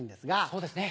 そうですね。